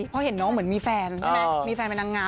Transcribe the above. เพราะเห็นน้องเหมือนมีแฟนมันเป็นนางงาม